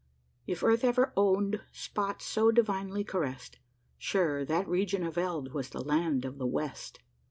If earth ever owned spot so divinely caressed, Sure that region of eld was the Land of the West!